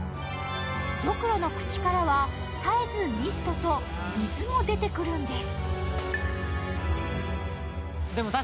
ドクロの口からは絶えずミストと水も出てくるんです。